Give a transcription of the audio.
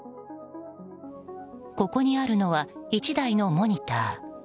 ここにあるのは１台のモニター。